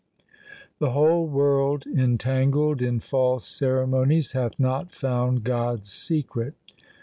The whole world entangled in false ceremonies hath not found God*s secret.